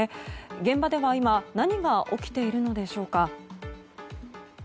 現場では今何が起きているのでしょうか？